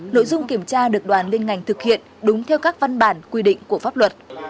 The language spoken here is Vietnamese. nội dung kiểm tra được đoàn liên ngành thực hiện đúng theo các văn bản quy định của pháp luật